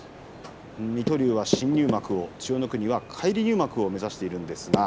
水戸龍は新入幕、千代の国は返り入幕を目指しています。